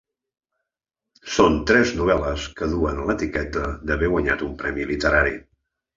Són tres novel·les que duen l’etiqueta d’haver guanyat un premi literari.